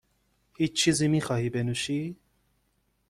هیچ چیزی میخواهی بنوشی؟